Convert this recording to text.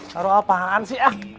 naruh apaan sih ah